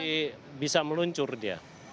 masih bisa meluncur dia